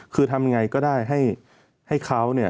คือทำยังไงก็ได้ให้เขา